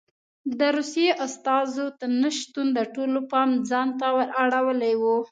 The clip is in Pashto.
د روسیې استازو نه شتون د ټولو پام ځان ته ور اړولی و.